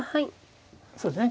そうですね